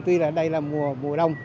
tuy là đây là mùa đông